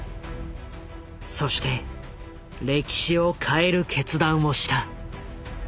そして歴史を変える決断をした。